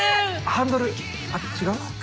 ハンドルあっ違う？